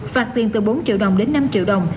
phạt tiền từ bốn triệu đồng đến năm triệu đồng